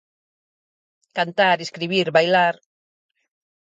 Cantar, escribir, bailar.